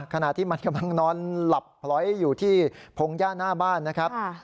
ขณะที่มันกำลังนอนหลับพลอยอยู่ที่พงหญ้าหน้าบ้านนะครับ